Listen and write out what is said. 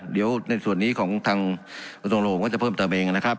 เดี๋ยวในส่วนนี้ของทางกระทรวงโรงก็จะเพิ่มเติมเองนะครับ